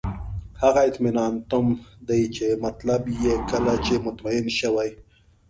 هغه اطماننتم دی چې مطلب یې کله چې مطمئن شوئ.